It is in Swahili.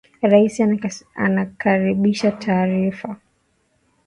Rais anakaribisha taarifa